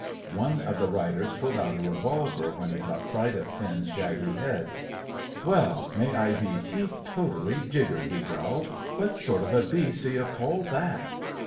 One of the riders pulled out a revolver when he caught sight of Finn's shaggy head. "Well, may I be teetotally jiggered!" he growled. "What sort of a beast do ye call that?"